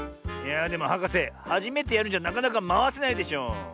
いやあでもはかせはじめてやるんじゃなかなかまわせないでしょ。